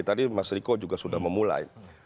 tadi mas riko juga sudah memulai